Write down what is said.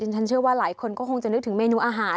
ฉันเชื่อว่าหลายคนก็คงจะนึกถึงเมนูอาหาร